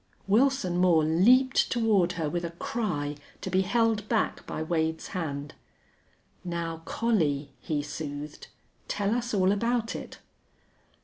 Wilson Moore leaped toward her with a cry, to be held back by Wade's hand. "Now, Collie," he soothed, "tell us all about it."